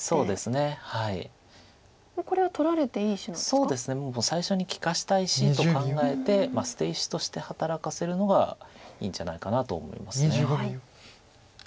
そうですねもう最初に利かした石と考えて捨て石として働かせるのがいいんじゃないかなと思います。